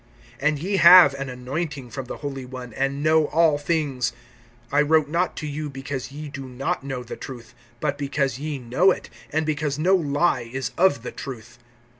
(20)And ye have an anointing from the Holy One, and know all things. (21)I wrote not to you because ye do not know the truth, but because ye know it, and because no lie is of the truth.